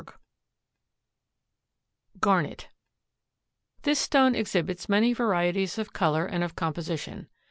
GARNET. This stone exhibits many varieties of color and of composition.